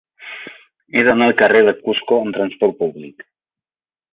He d'anar al carrer de Cusco amb trasport públic.